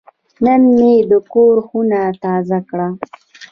نن مې د کور خونه تازه کړه.